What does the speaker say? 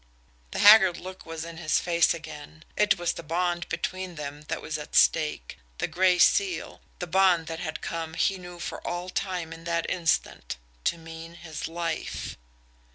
The haggard look was in his face again. It was the bond between them that was at stake the Gray Seal the bond that had come, he knew for all time in that instant, to mean his life.